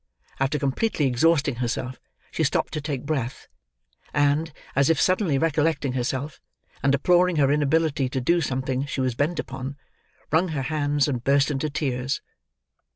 After completely exhausting herself, she stopped to take breath: and, as if suddenly recollecting herself, and deploring her inability to do something she was bent upon, wrung her hands, and burst into tears.